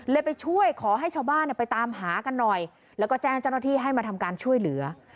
ไปช่วยขอให้ชาวบ้านไปตามหากันหน่อยแล้วก็แจ้งเจ้าหน้าที่ให้มาทำการช่วยเหลือ